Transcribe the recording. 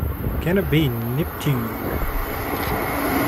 Can it be Neptune?